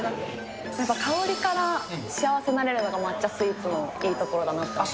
香りから幸せになれるのが抹茶スイーツのいいところだなと思います。